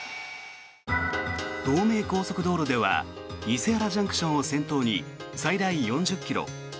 東名高速道路では伊勢原ＪＣＴを先頭に最大４０ｋｍ